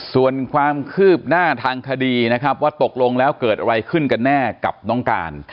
ส่วนความคืบหน้าทางคดีนะครับว่าตกลงแล้วเกิดอะไรขึ้นกันแน่กับน้องการ